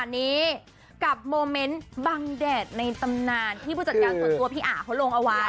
นี่กับโมเมนต์บังแดดในตำนานที่ผู้จัดการส่วนตัวพี่อ่าเขาลงเอาไว้